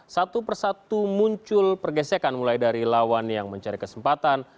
satu persatu muncul pergesekan mulai dari lawan yang mencari kesempatan